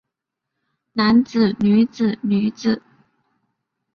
男子女子女子